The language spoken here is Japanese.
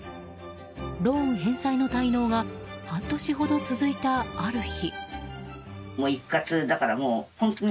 ローン返済の滞納が半年ほど続いた、ある日。